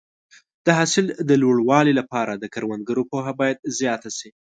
د حاصل د لوړوالي لپاره د کروندګرو پوهه باید زیاته شي.